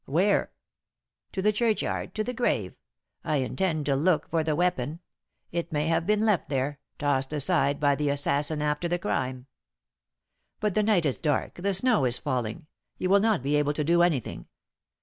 "Where?" "To the churchyard to the grave. I intend to look for the weapon. It may have been left there tossed aside by the assassin after the crime." "But the night is dark the snow is falling. You will not be able to do anything.